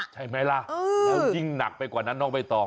ใช่ไหมล่ะแล้วยิ่งหนักไปกว่านั้นน้องใบตอง